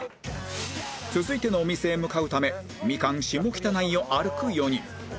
続いてのお店へ向かうためミカン下北内を歩く４人